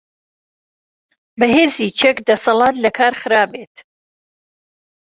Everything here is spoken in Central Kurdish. بەهێزی چەك دەسەلات لەکار خرابێت.